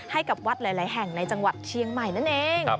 ให้กับวัดหลายแห่งในจังหวัดเชียงใหม่นั่นเอง